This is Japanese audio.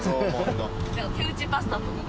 手打ちパスタとかが。